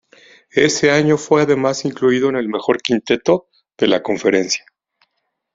Ese año fue además incluido en el mejor quinteto de la conferencia.